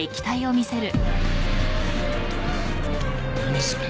何それ？